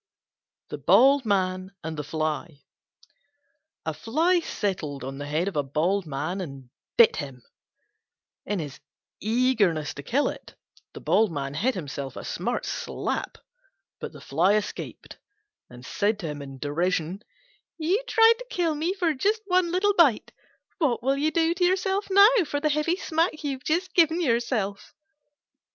THE BALD MAN AND THE FLY A Fly settled on the head of a Bald Man and bit him. In his eagerness to kill it, he hit himself a smart slap. But the Fly escaped, and said to him in derision, "You tried to kill me for just one little bite; what will you do to yourself now, for the heavy smack you have just given yourself?"